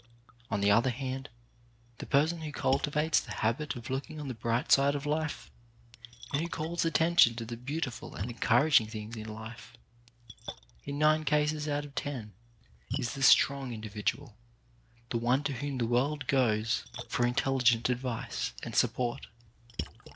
On the other hand, the person who cultivates the habit of looking on the bright side of life, and who calls attention to the beautiful and encouraging things in life is, in nine cases out of ten, the strong individual, the one to whom the world goes for intelligent advice and support.